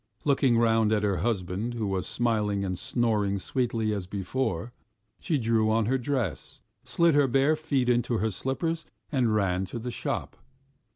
Looking round at her husband, who was smiling and snoring sweetly as before, she threw on her dress, slid her bare feet into her slippers, and ran to the shop.